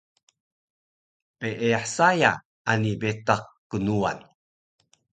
peeyah saya ani betaq knuwan